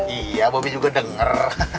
iya bobby juga denger